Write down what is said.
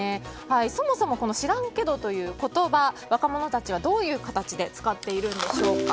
そもそも、知らんけどという言葉若者たちはどういう形で使っているんでしょうか。